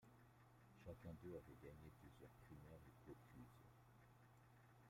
Chacun d'eux avait gagné plusieurs primaires et caucuses.